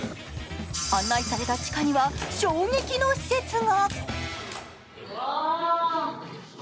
案内された地下には衝撃の施設が。